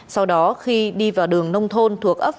sau đó khi đi vào đường nông thôn thuộc ấp phú hà nội